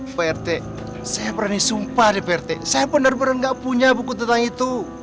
pak rt saya berani sumpah deh pak rt saya bener bener gak punya buku tentang itu